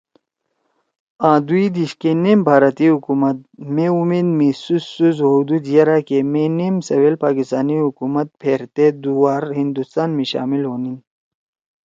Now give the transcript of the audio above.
آں دُوئی دِیش کے نیم بھارتی حکومت مے اُمید می سُست سُست ہؤدُود یِرأ کے مِی نیم سویل پاکستانی حکومتے پھیرتے دُو وار ہندوستان می شامل ہونیِن